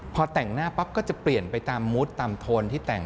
พอแต่งหน้าปั๊บก็จะเปลี่ยนไปตามมุดตามโทนที่แต่ง